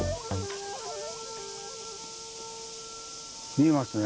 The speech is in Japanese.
見えますね。